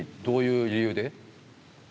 どういう理由で？